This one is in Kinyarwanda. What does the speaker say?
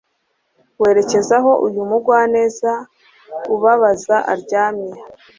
werekeza aho uyu mugwaneza ubabaza aryamye